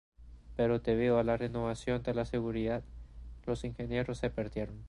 Pero debido a la renovación de la seguridad, los ingresos se perdieron.